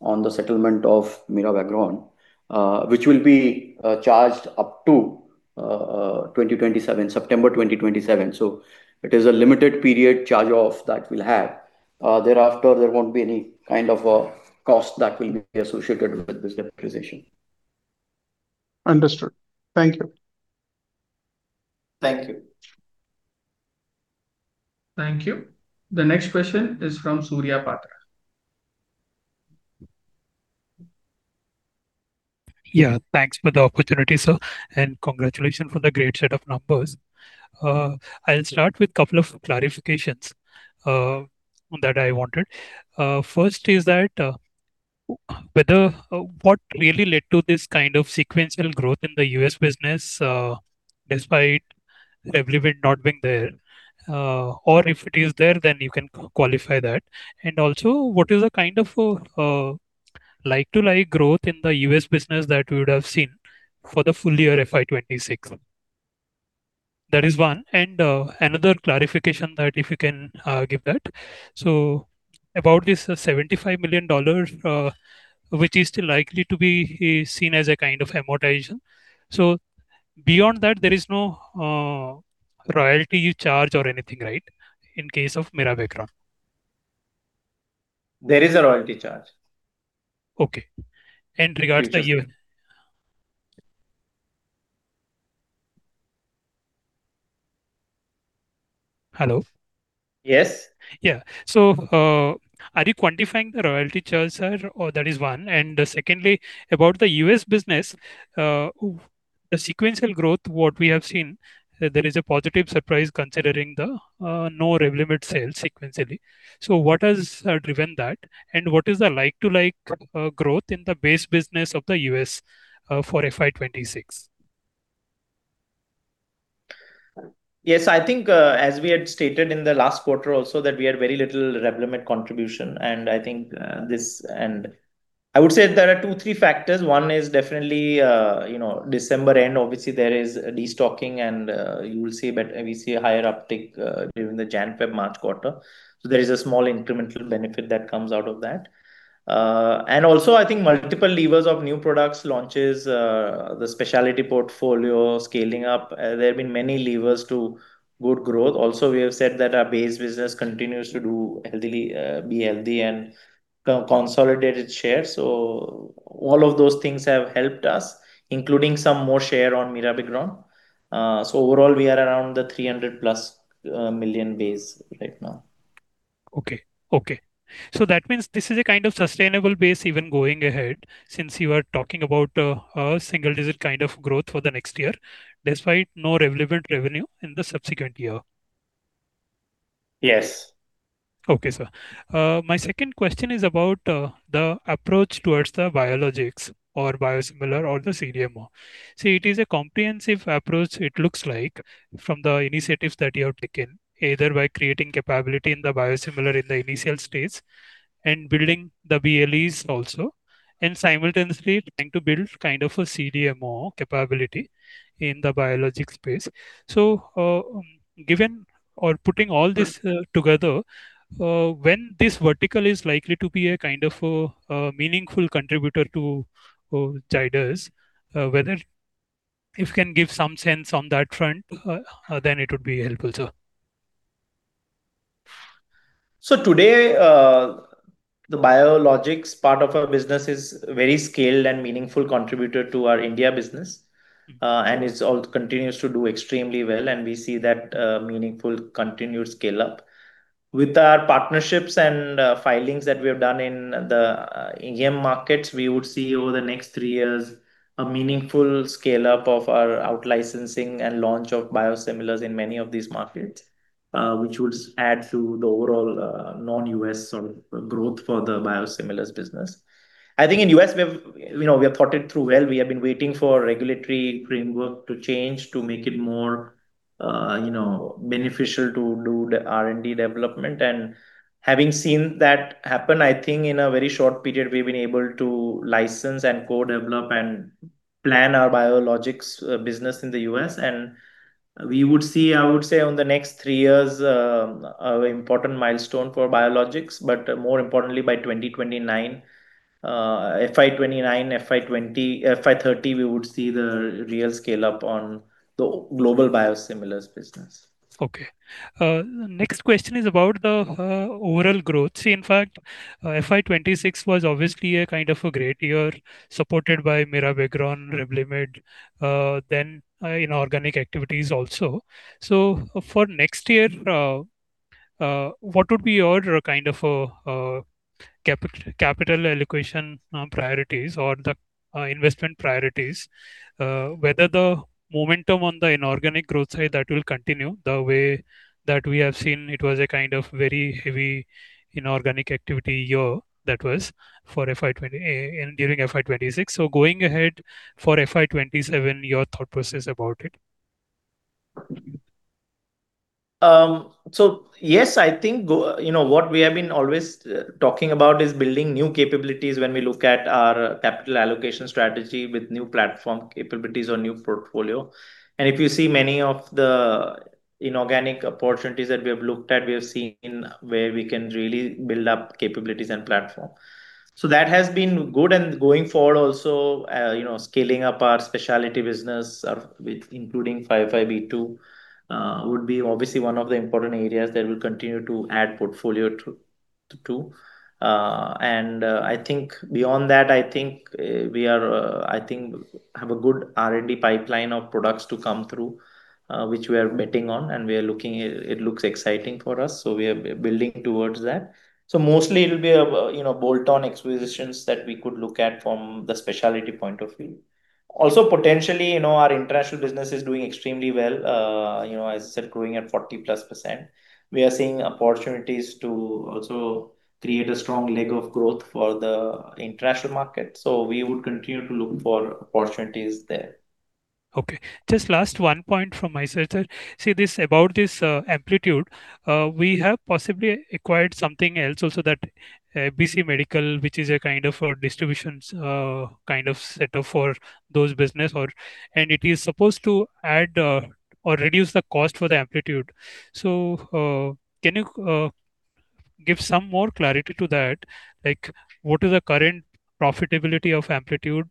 on the settlement of mirabegron, which will be charged up to 2027, September 2027. It is a limited period charge off that we'll have. Thereafter, there won't be any kind of a cost that will be associated with this depreciation. Understood. Thank you. Thank you. Thank you. The next question is from Surya Patra. Yeah, thanks for the opportunity, sir, and congratulations for the great set of numbers. I'll start with 2 clarifications that I wanted. First is that whether what really led to this kind of sequential growth in the U.S. business despite REVLIMID not being there. Or if it is there, you can qualify that. Also, what is the kind of like-to-like growth in the U.S. business that we would have seen for the full year FY 2026? That is 1. Another clarification that if you can give that. About this INR 75 million, which is still likely to be seen as a kind of amortization. Beyond that, there is no royalty you charge or anything, right, in case of mirabegron? There is a royalty charge. Okay. You can say. Hello? Yes. Yeah. Are you quantifying the royalty charge, sir? That is one. Secondly, about the U.S. business, the sequential growth, what we have seen, there is a positive surprise considering the no REVLIMID sales sequentially. What has driven that? What is the like-to-like growth in the base business of the U.S. for FY 2026? I think, as we had stated in the last quarter also that we had very little REVLIMID contribution. I would say there are two, three factors. One is definitely, you know, December end, obviously there is a destocking, we see a higher uptick during the Jan, Feb, March quarter. There is a small incremental benefit that comes out of that. Also I think multiple levers of new products launches, the specialty portfolio scaling up. There have been many levers to good growth. Also, we have said that our base business continues to do healthily, be healthy and co-consolidated share. All of those things have helped us, including some more share on mirabegron. Overall we are around the 300+ million base right now. Okay. Okay. That means this is a kind of sustainable base even going ahead, since you are talking about a single digit kind of growth for the next year, despite no REVLIMID revenue in the subsequent year. Yes. Okay, sir. My second question is about the approach towards the biologics or biosimilar or the CDMO. See, it is a comprehensive approach it looks like from the initiatives that you have taken, either by creating capability in the biosimilar in the initial stage and building the BLAs also, and simultaneously trying to build kind of a CDMO capability in the biologic space. Given or putting all this together, when this vertical is likely to be a kind of a meaningful contributor to Zydus, whether If you can give some sense on that front, then it would be helpful, sir. Today, the biologics part of our business is very scaled and meaningful contributor to our India business. It all continues to do extremely well, and we see that meaningful continued scale up. With our partnerships and filings that we have done in the EM markets, we would see over the next three years a meaningful scale up of our out licensing and launch of biosimilars in many of these markets, which would add to the overall non-U.S. sort of growth for the biosimilars business. I think in U.S. we have, you know, we have thought it through well. We have been waiting for regulatory framework to change to make it more, you know, beneficial to do the R&D development. Having seen that happen, I think in a very short period, we've been able to license and co-develop and plan our biologics business in the U.S. We would see, I would say on the next three years, important milestone for biologics, but more importantly by 2029, FY 2029, FY 2030, we would see the real scale up on the global biosimilars business. Next question is about the overall growth. See, in fact, FY 2026 was obviously a kind of a great year supported by mirabegron, REVLIMID, inorganic activities also. For next year, what would be your kind of capital allocation priorities or the investment priorities, whether the momentum on the inorganic growth side that will continue the way that we have seen it was a kind of very heavy inorganic activity year that was during FY 2026. Going ahead for FY 2027, your thought process about it. Yes, I think You know, what we have been always talking about is building new capabilities when we look at our capital allocation strategy with new platform capabilities or new portfolio. If you see many of the inorganic opportunities that we have looked at, we have seen where we can really build up capabilities and platform. That has been good and going forward also, you know, scaling up our specialty business or with including 505(b)(2) would be obviously one of the important areas that we'll continue to add portfolio to. I think beyond that, I think we are I think have a good R&D pipeline of products to come through, which we are betting on and we are looking it looks exciting for us, we are building towards that. Mostly it'll be a, you know, bolt-on acquisitions that we could look at from the specialty point of view. Also, potentially, you know, our international business is doing extremely well, you know, as I said, growing at 40+%. We are seeing opportunities to also create a strong leg of growth for the international market, so we would continue to look for opportunities there. Okay. Just last 1 point from my side, sir. See this, about this, Amplitude, we have possibly acquired something else also that, FBC Medical, which is a kind of a distributions setup for those business or it is supposed to add or reduce the cost for the Amplitude. Can you give some more clarity to that? Like what is the current profitability of Amplitude,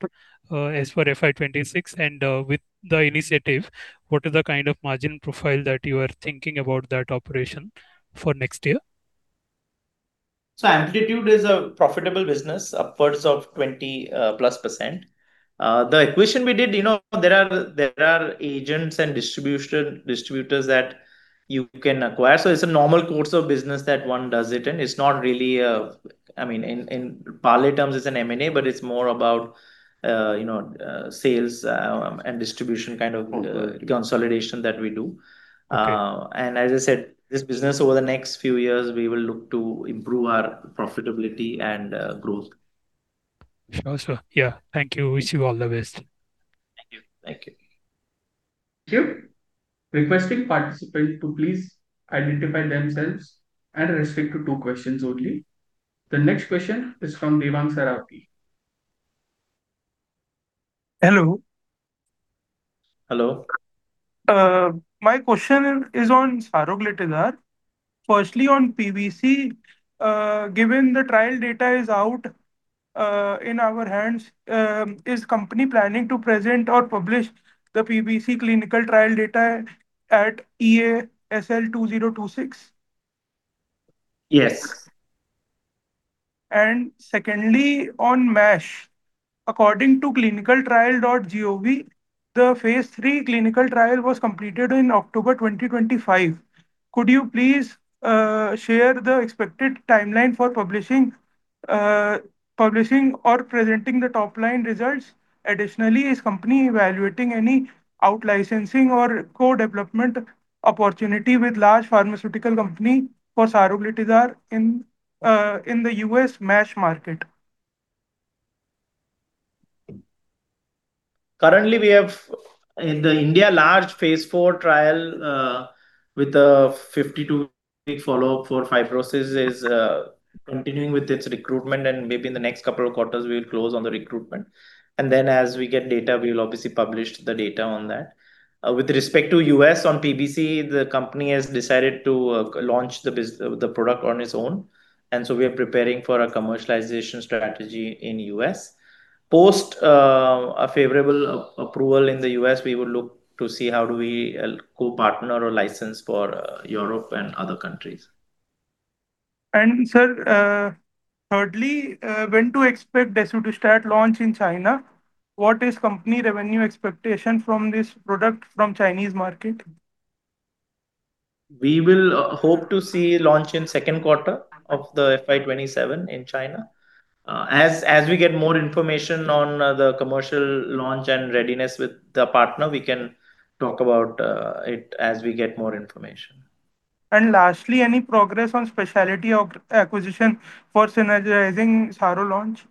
as for FY 2026 and with the initiative, what is the kind of margin profile that you are thinking about that operation for next year? Amplitude is a profitable business, upwards of 20%+. The equation we did, you know, there are agents and distributors that you can acquire, so it's a normal course of business that one does it in. It's not really a I mean, in pharma terms, it's an M&A, but it's more about, you know, sales and distribution. Okay consolidation that we do. Okay. As I said, this business over the next few years, we will look to improve our profitability and growth. Sure, sir. Yeah, thank you. Wish you all the best. Thank you. Thank you. Requesting participants to please identify themselves and restrict to two questions only. The next question is [Devang Sarawgi]. Hello. Hello. My question is on saroglitazar. Firstly, on PBC, given the trial data is out, in our hands, is company planning to present or publish the PBC clinical trial data at EASL 2026? Yes. Secondly, on MASH. According to ClinicalTrials.gov, the phase III clinical trial was completed in October 2025. Could you please share the expected timeline for publishing or presenting the top-line results? Additionally, is company evaluating any out licensing or co-development opportunity with large pharmaceutical company for saroglitazar in the U.S. MASH market? Currently, we have in the India large phase IV trial, with a 52-week follow-up for fibrosis is continuing with its recruitment and maybe in the next couple quarters we'll close on the recruitment. As we get data, we will obviously publish the data on that. With respect to U.S. on PBC, the company has decided to launch the product on its own. We are preparing for a commercialization strategy in U.S. Post a favorable approval in the U.S., we would look to see how do we co-partner or license for Europe and other countries. Sir, thirdly, when to expect desidustat launch in China? What is company revenue expectation from this product from Chinese market? We will hope to see launch in second quarter of the FY 2027 in China. As we get more information on the commercial launch and readiness with the partner, we can talk about it as we get more information. Lastly, any progress on specialty acquisition for synergizing Saro launch?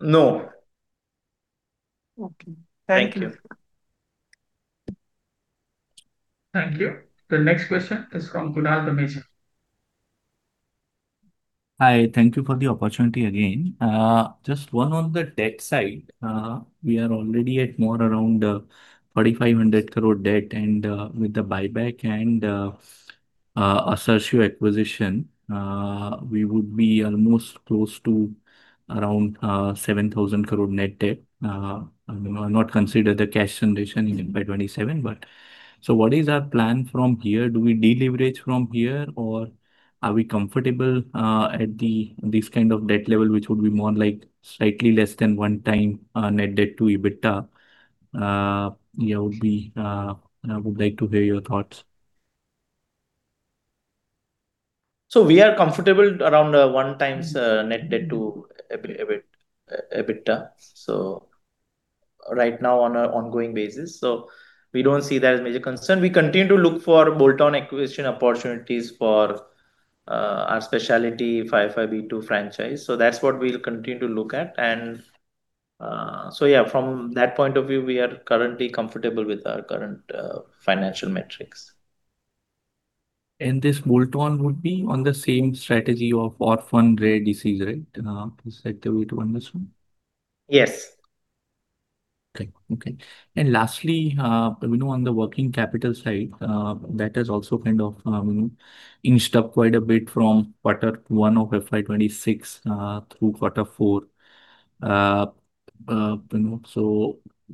No. Okay. Thank you. Thank you. Thank you. The next question is from Kunal Dhamesha. Hi. Thank you for the opportunity again. Just one on the debt side. We are already at more around 4,500 crore debt and with the buyback and Assertio acquisition, we would be almost close to around 7,000 crore net debt. You know, not consider the cash generation in FY 2027, what is our plan from here? Do we deleverage from here or are we comfortable at this kind of debt level, which would be more like slightly less than 1x net debt to EBITDA? I would like to hear your thoughts. We are comfortable around 1x net debt to EBITDA, so right now on a ongoing basis. We don't see that as major concern. We continue to look for bolt-on acquisition opportunities for our specialty 505(b)(2) franchise. That's what we'll continue to look at and, so yeah, from that point of view, we are currently comfortable with our current financial metrics. This bolt-on would be on the same strategy of orphan rare disease, right? Is that the way to understand? Yes. Okay. Okay. Lastly, you know, on the working capital side, that has also kind of inched up quite a bit from Q1 of FY 2026, through quarter four. You know,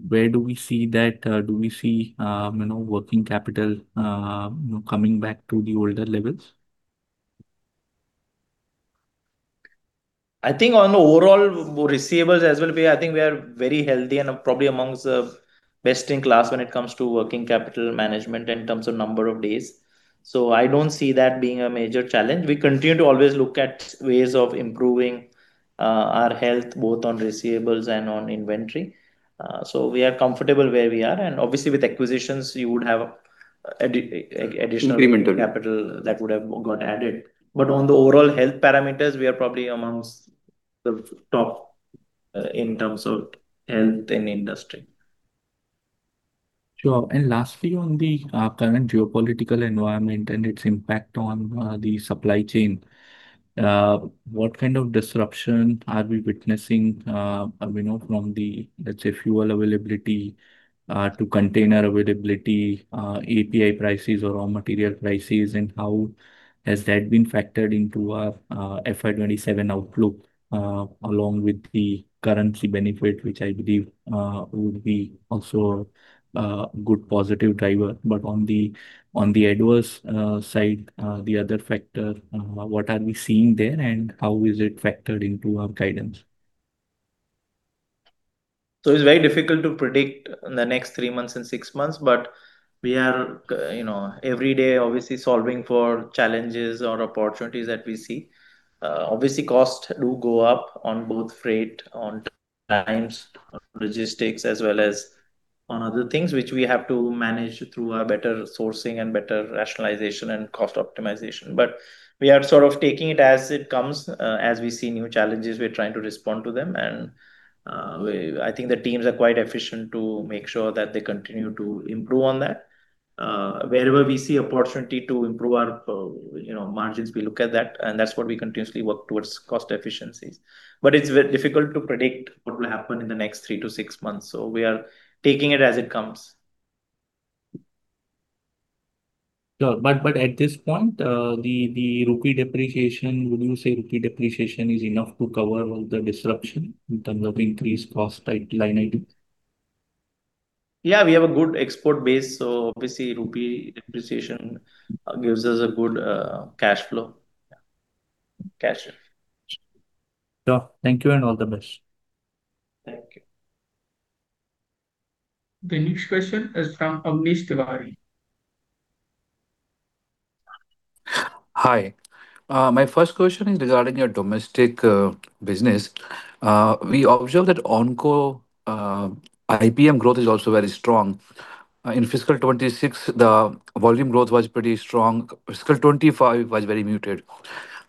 where do we see that, do we see, you know, working capital, you know, coming back to the older levels? I think on the overall receivables as well, we are very healthy and probably amongst the best in class when it comes to working capital management in terms of number of days. I don't see that being a major challenge. We continue to always look at ways of improving our health both on receivables and on inventory. We are comfortable where we are, and obviously with acquisitions you would have additional- Supplemental capital that would have got added. On the overall health parameters, we are probably amongst the top in terms of health in industry. Sure. Lastly, on the current geopolitical environment and its impact on the supply chain, what kind of disruption are we witnessing, you know, from the, let's say, fuel availability, to container availability, API prices or raw material prices? How has that been factored into our FY 2027 outlook, along with the currency benefit, which I believe would be also a good positive driver. On the, on the adverse side, the other factor, what are we seeing there and how is it factored into our guidance? It's very difficult to predict in the next three months and six months, but we are, you know, every day obviously solving for challenges or opportunities that we see. Obviously cost do go up on both freight, on times, on logistics as well as on other things which we have to manage through our better sourcing and better rationalization and cost optimization. We are sort of taking it as it comes. As we see new challenges, we're trying to respond to them and, I think the teams are quite efficient to make sure that they continue to improve on that. Wherever we see opportunity to improve our, you know, margins, we look at that, and that's what we continuously work towards cost efficiencies. It's difficult to predict what will happen in the next 3-6 months, so we are taking it as it comes. Sure. At this point, the rupee depreciation, would you say rupee depreciation is enough to cover all the disruption in terms of increased cost side line item? Yeah, we have a good export base, so obviously rupee depreciation gives us a good cash flow. Yeah. Cash flow. Sure. Thank you, and all the best. Thank you. The next question is from [Amish Tiwari]. Hi. My first question is regarding your domestic business. We observe that onco IPM growth is also very strong. In fiscal 2026, the volume growth was pretty strong. Fiscal 2025 was very muted.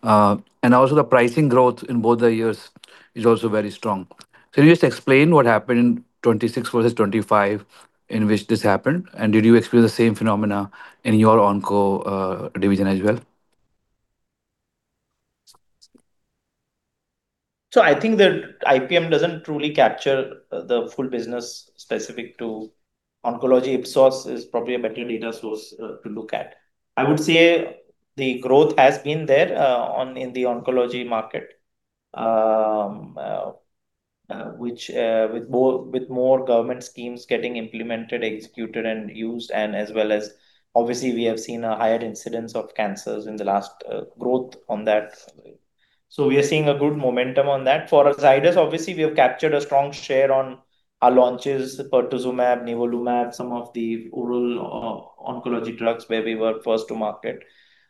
Also, the pricing growth in both the years is also very strong. Can you just explain what happened in 2026 versus 2025 in which this happened? Did you experience the same phenomena in your onco division as well? I think that IPM doesn't truly capture the full business specific to oncology. Ipsos is probably a better data source to look at. I would say the growth has been there in the oncology market, which with more government schemes getting implemented, executed and used and as well as obviously we have seen a higher incidence of cancers in the last growth on that. We are seeing a good momentum on that. For Zydus, obviously we have captured a strong share on our launches, pertuzumab, nivolumab, some of the oral oncology drugs where we were first to market.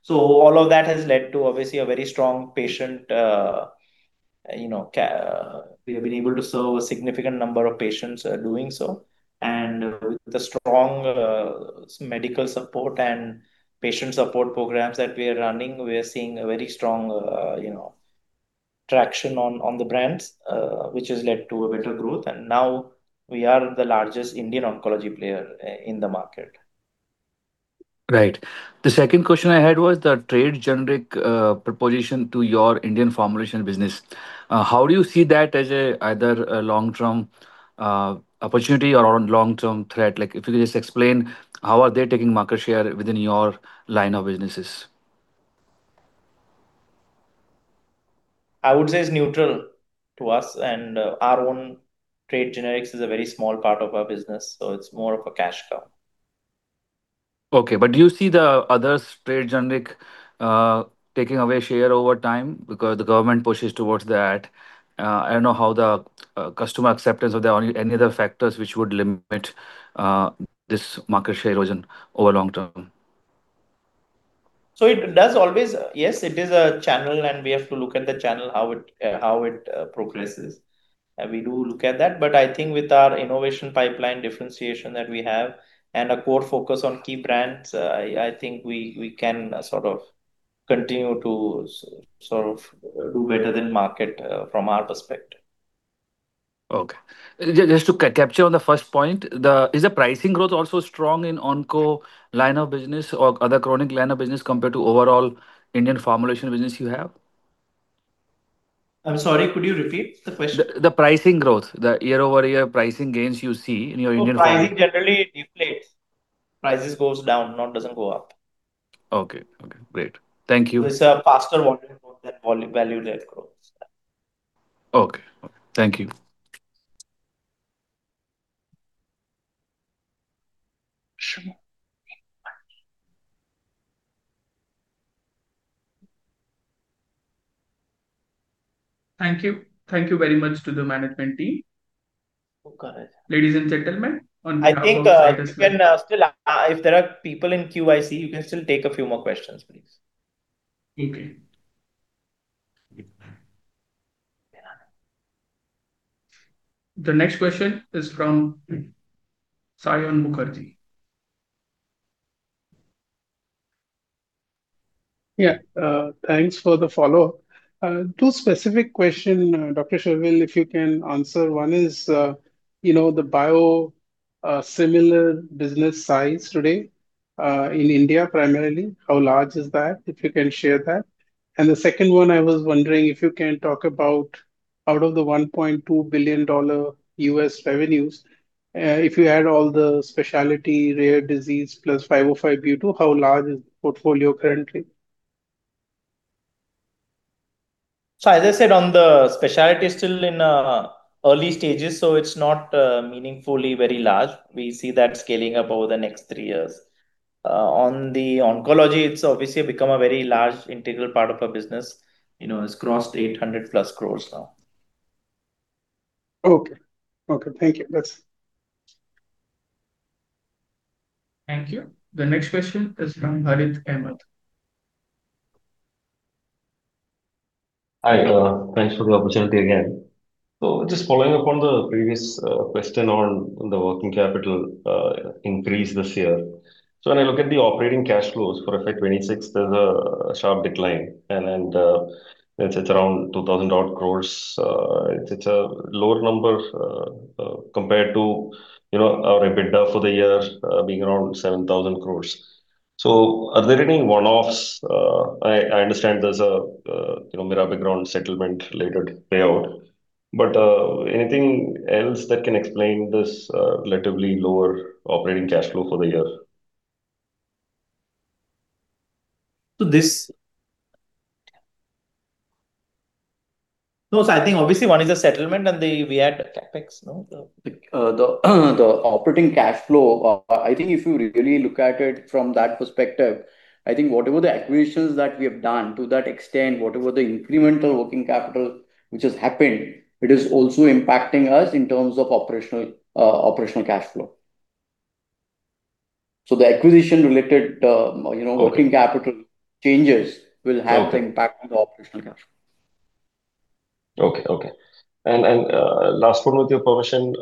All of that has led to obviously a very strong patient, we have been able to serve a significant number of patients doing so. With the strong medical support and patient support programs that we are running, we are seeing a very strong, you know, traction on the brands, which has led to a better growth. Now we are the largest Indian oncology player in the market. Right. The second question I had was the trade generic proposition to your Indian formulation business. How do you see that as a either a long-term opportunity or a long-term threat? Like, if you could just explain how are they taking market share within your line of businesses. I would say it's neutral to us and our own trade generics is a very small part of our business, so it's more of a cash cow. Okay. Do you see the others trade generic taking away share over time because the government pushes towards that? I don't know how the customer acceptance or there are any other factors which would limit this market share erosion over long term? It does always Yes, it is a channel and we have to look at the channel, how it progresses. We do look at that. I think with our innovation pipeline differentiation that we have and a core focus on key brands, I think we can continue to do better than market, from our perspective. Okay. Just to capture on the first point, the Is the pricing growth also strong in onco line of business or other chronic line of business compared to overall Indian formulation business you have? I'm sorry, could you repeat the question? The pricing growth, the year-over-year pricing gains you see in your Indian- No, pricing generally deflates. Prices goes down, not doesn't go up. Okay. Okay, great. Thank you. There's a faster volume growth than value led growth. Okay. Thank you. Thank you. Thank you very much to the management team. Okay. Ladies and gentlemen, I think, you can, still, if there are people in QIC, you can still take a few more questions, please. Okay. The next question is from Saion Mukherjee. Yeah. Thanks for the follow-up. Two specific questions, Dr. Sharvil, if you can answer. One is, you know, the biosimilar business size today in India primarily, how large is that? If you can share that. The second one, I was wondering if you can talk about out of the $1.2 billion U.S. revenues, if you add all the specialty, rare disease plus 505(b)(2), how large is the portfolio currently? As I said on the specialty, still in early stages, so it's not meaningfully very large. We see that scaling up over the next three years. On the oncology, it's obviously become a very large integral part of our business. You know, it's crossed 800+ crores now. Okay. Okay. Thank you. That's. Thank you. The next question is from Harith Ahamed. Hi, thanks for the opportunity again. Just following up on the previous question on the working capital increase this year. When I look at the operating cash flows for FY 2026, there's a sharp decline and it's around 2,000 odd crores. It's a lower number compared to, you know, our EBITDA for the year, being around 7,000 crores. Are there any one-offs? I understand there's a, you know, mirabegron settlement related payout, but anything else that can explain this relatively lower operating cash flow for the year? This No, I think obviously one is a settlement and we add CapEx, no? The operating cash flow, I think if you really look at it from that perspective, I think whatever the acquisitions that we have done to that extent, whatever the incremental working capital which has happened, it is also impacting us in terms of operational cash flow. The acquisition related, you know. Okay working capital changes will have. Okay the impact on the operational cash flow. Okay, okay. Last one with your permission,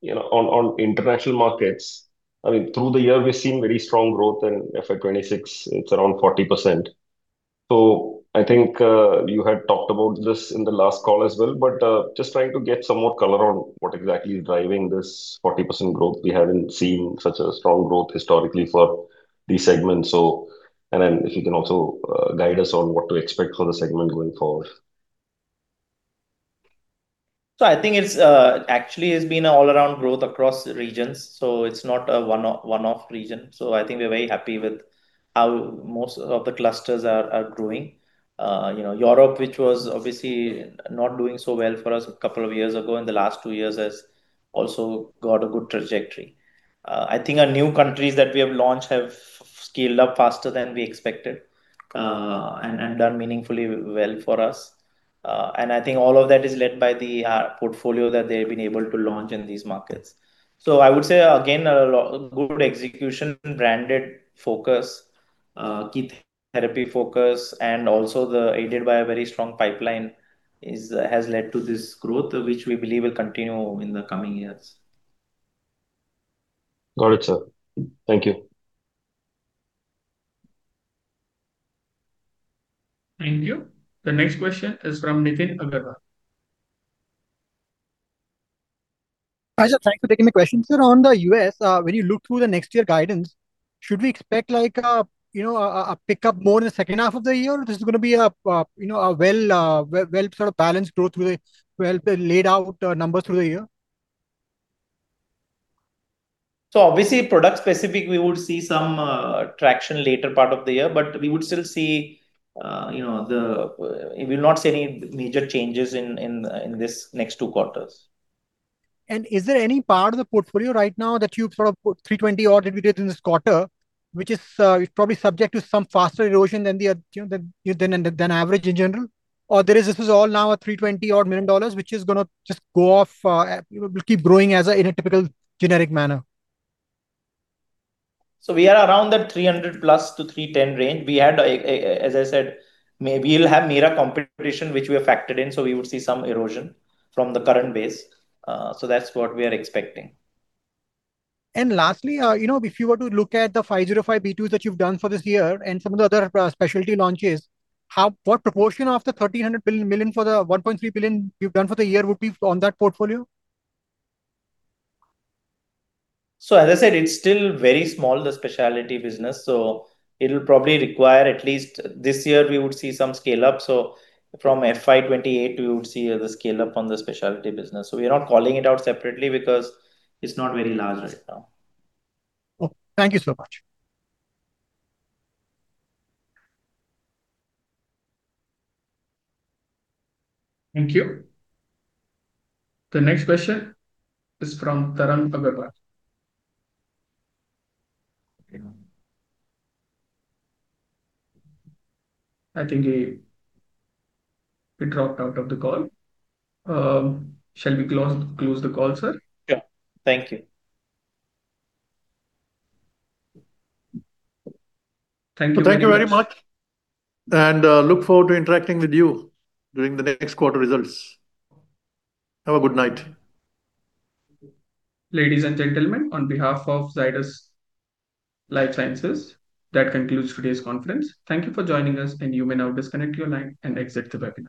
you know, on international markets. I mean, through the year, we've seen very strong growth in FY 2026. It's around 40%. I think you had talked about this in the last call as well, but just trying to get some more color on what exactly is driving this 40% growth. We haven't seen such a strong growth historically for this segment. Then if you can also guide us on what to expect for the segment going forward. I think it's, actually it's been all around growth across regions, so it's not a one-off region. I think we're very happy with how most of the clusters are growing. You know, Europe, which was obviously not doing so well for us a couple of years ago, in the lasty two years has also got a good trajectory. I think our new countries that we have launched have scaled up faster than we expected, and done meaningfully well for us. I think all of that is led by the portfolio that they've been able to launch in these markets. I would say again, good execution, branded focus, key therapy focus and also aided by a very strong pipeline has led to this growth, which we believe will continue in the coming years. Got it, sir. Thank you. Thank you. The next question is from Nitin Agarwal. Hi, sir, thank you for taking my question. Sir, on the U.S., when you look through the next year guidance, should we expect like a, you know, a pickup more in the second half of the year or this is gonna be a, you know, a well sort of balanced growth with a well laid out numbers through the year? obviously product specific, we would see some traction later part of the year, but we would still see, you know, we will not see any major changes in this next two quarters. Is there any part of the portfolio right now that you've sort of put $320 million odd that you did in this quarter, which is probably subject to some faster erosion than the, you know, than average in general? There is, this is all now a $320 odd million which is gonna just go off, you know, will keep growing as a in a typical generic manner. We are around that $300+ million-$310 million range. We had, as I said, maybe we'll have mirabegron competition, which we have factored in, we would see some erosion from the current base. That's what we are expecting. Lastly, you know, if you were to look at the 505(b)(2)s that you've done for this year and some of the other specialty launches, what proportion of the 1.3 billion you've done for the year would be on that portfolio? As I said, it's still very small, the specialty business, it'll probably require at least this year we would see some scale up. From FY 2028, we would see the scale up on the specialty business. We are not calling it out separately because it's not very large right now. Oh, thank you so much. Thank you. The next question is from Tarun Arora. I think he dropped out of the call. Shall we close the call, sir? Yeah. Thank you. Thank you very much. Thank you very much. Look forward to interacting with you during the next quarter results. Have a good night. Ladies and gentlemen, on behalf of Zydus Lifesciences, that concludes today's conference. Thank you for joining us, and you may now disconnect your line and exit the webinar.